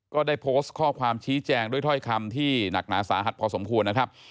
ก็ได้โพสต์ข้อความชี้แจงด้วยถ้อยคำที่หนักหนาสาหัสพอสมควรนะครับ